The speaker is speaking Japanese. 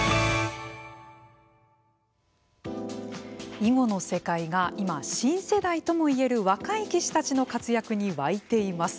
囲碁の世界が今新世代ともいえる若い棋士たちの活躍に沸いています。